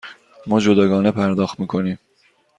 ما جداگانه پرداخت می کنیم.